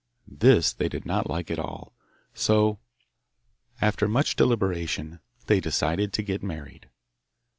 This they did not like at all; so after much deliberation they decided to get married.